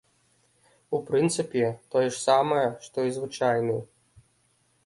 У прынцыпе, тое ж самае, што і звычайны!